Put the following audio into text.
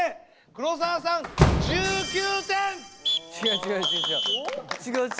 違う違う違う違う。